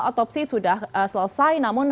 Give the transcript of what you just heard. otopsi sudah selesai namun